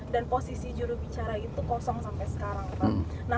dan posisi jurubicara itu kosong sampai sekarang pak